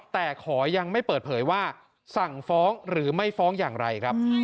แต่ขอยังไม่เปิดเผยว่าสั่งฟ้องหรือไม่ฟ้องอย่างไรครับ